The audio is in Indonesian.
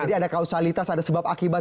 jadi ada kausalitas ada sebab akibat